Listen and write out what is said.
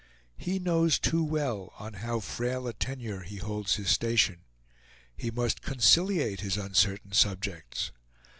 He knows too well on how frail a tenure he holds his station. He must conciliate his uncertain subjects.